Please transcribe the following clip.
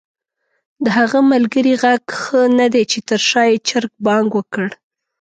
د هغه ملګري ږغ ښه ندی چې تر شا ېې چرګ بانګ وکړ؟!